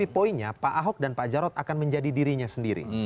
pak jarod akan menjadi dirinya sendiri